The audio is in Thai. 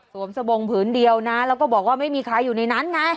สบงผืนเดียวนะแล้วก็บอกว่าไม่มีใครอยู่ในนั้นไง